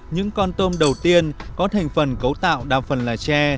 những con tôm đầu tiên có thành phần cấu tạo đa phần là tre